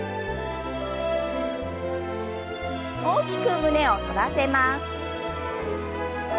大きく胸を反らせます。